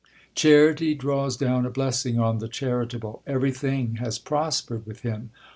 Charity draws down a blessing on the charitable, everything has prospered with him.